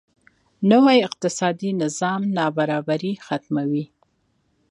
نوی اقتصادي نظام نابرابري ختموي.